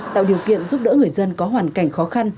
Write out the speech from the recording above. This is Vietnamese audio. tạo điều kiện giúp đỡ người dân có hoàn cảnh khó khăn